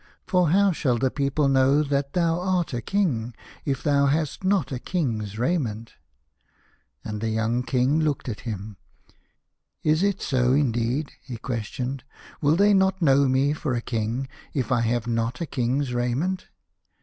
For how shall the people know that thou art a king, if thou hast not a king's raiment ?" And the young King looked at him. " Is it so, indeed ?" he questioned. "Will they not know me for a king if I have not a king's raiment